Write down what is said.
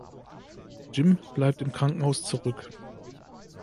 Jim bleibt im Krankenhaus zurück.